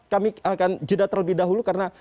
kami akan jeda terlebih dahulu karena